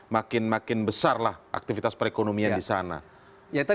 makin makin besarlah aktivitas perekonomian di sana